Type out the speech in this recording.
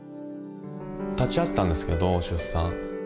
立ち会ったんですけど出産。